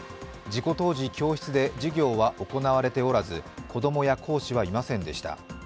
事故当時、教室で授業は行われておらず子供や講師はいませんでした。